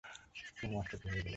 কুমু আশ্চর্য হয়ে গেল।